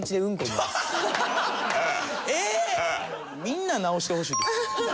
みんな直してほしいです。